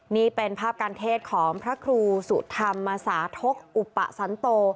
นี่เป็นภาพการเทศของพระครูสุธรรมสาธกอุปสันโต